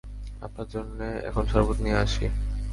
আপনার জন্যে এখন শরবত নিয়ে আসি।